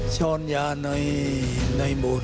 ช่อนยาในบุตร